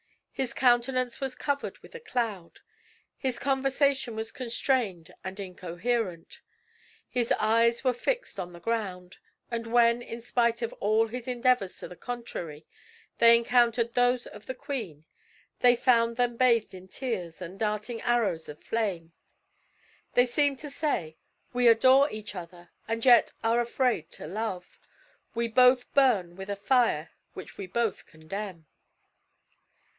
His countenance was covered with a cloud. His conversation was constrained and incoherent. His eyes were fixed on the ground; and when, in spite of all his endeavors to the contrary, they encountered those of the queen, they found them bathed in tears and darting arrows of flame. They seemed to say, We adore each other and yet are afraid to love; we both burn with a fire which we both condemn.